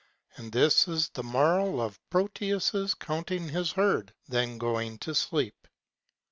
And this is the moral of Proteus's counting his herd, then going to sleep.